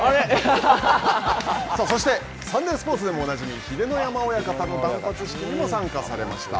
そして、サンデースポーツでもおなじみ、秀ノ山親方の断髪式にも参加されました。